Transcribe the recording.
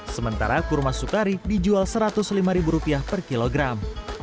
sementara kurma sukari dijual satu ratus lima ribu rupiah per kilogram